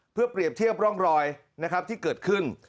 เพื่อเปรียบเทียบร่องรอยนะครับที่เกิดขึ้น